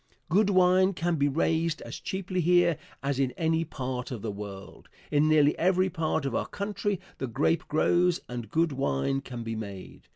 Good wine can be raised as cheaply here as in any part of the world. In nearly every part of our country the grape grows and good wine can be made.